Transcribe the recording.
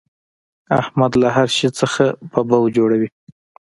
احمد له هر شي څخه ببو جوړوي.